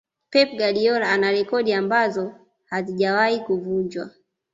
pep guardiola ana rekodi ambazo hazijawahi kuvunjwa